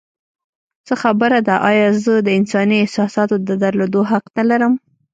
څه خبره ده؟ ایا زه د انساني احساساتو د درلودو حق نه لرم؟